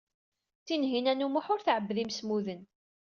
Tinhinan u Muḥ ur tɛebbed imsemmuden.